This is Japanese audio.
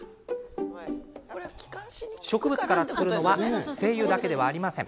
植物から作るのは精油だけではありません。